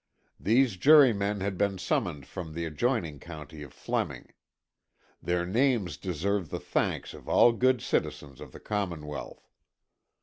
These jurymen had been summoned from the adjoining county of Fleming. Their names deserve the thanks of all good citizens of the Commonwealth.